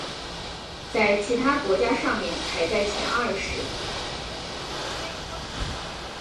在其他的国家上面排在前二十。